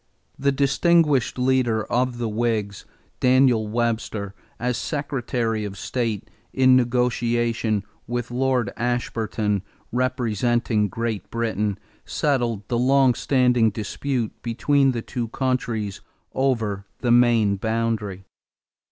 The distinguished leader of the Whigs, Daniel Webster, as Secretary of State, in negotiation with Lord Ashburton representing Great Britain, settled the long standing dispute between the two countries over the Maine boundary.